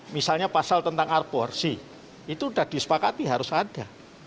misalnya pasal tentang arborsi itu sudah disepakati harus ada